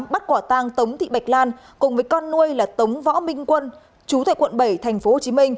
bắt quả tang tống thị bạch lan cùng với con nuôi là tống võ minh quân chú tại quận bảy tp hcm